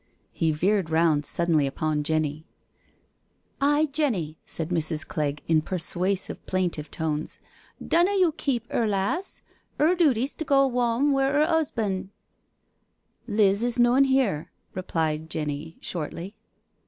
He veered round suddenly upon Jenny. " Aye, Jenny," said Mrs. Clegg in persuasive, plain tive tones, " dunna yo' kep 'er, lass — 'er dooty's t'go worn wi' 'er 'usban'." " Liz is noan here," replied Jenny shortly.